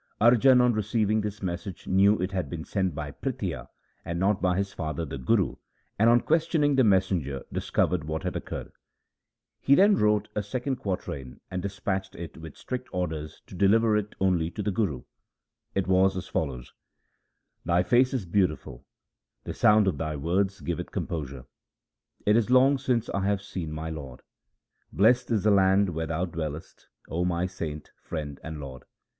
Arjan on receiving this message knew it had been sent by Prithia and not by his father the Guru, and on questioning the messenger, dis covered what had occurred. He then wrote a second quatrain and dispatched it with strict orders to deliver it only to the Guru. It was as follows :— Thy face is beautiful, the sound of thy words giveth composure. It is long since I have seen my lord. Blest is the land where thou dwellest, O my saint, friend, and lord.